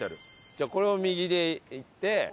じゃあこれを右で行って。